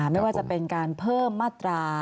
ไม่ว่าจะเป็นการเพิ่มมาตรา